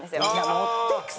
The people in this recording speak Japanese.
いや持ってくさ。